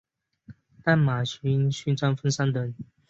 淡马锡勋章分三等。